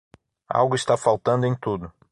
Algo está faltando em tudo.